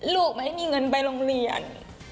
ลูกไม่มีเงินไปโรงเรียน